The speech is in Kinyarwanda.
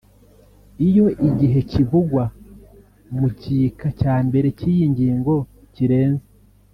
Iyo igihe kivugwa mu gika cya mbere cy’iyi ngingo kirenze